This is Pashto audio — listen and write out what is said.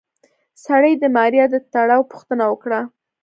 سړي د ماريا د تړاو پوښتنه وکړه.